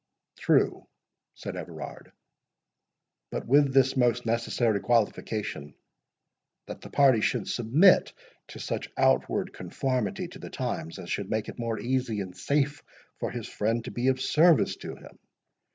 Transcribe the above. "True," said Everard; "but with this most necessary qualification, that the party should submit to such outward conformity to the times as should make it more easy and safe for his friend to be of service to him.